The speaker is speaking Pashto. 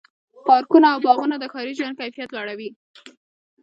پارکونه او باغونه د ښاري ژوند کیفیت لوړوي.